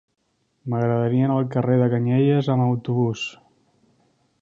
M'agradaria anar al carrer de Canyelles amb autobús.